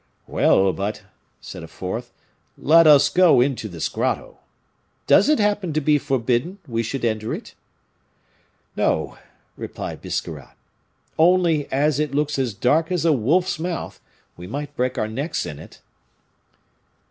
"Well, but," said a fourth, "let us go into this grotto. Does it happen to be forbidden we should enter it?" "No," replied Biscarrat. "Only, as it looks as dark as a wolf's mouth, we might break our necks in it."